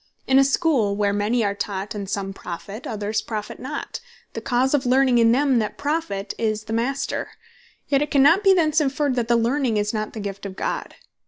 In a School where many are taught, and some profit, others profit not, the cause of learning in them that profit, is the Master; yet it cannot be thence inferred, that learning is not the gift of God.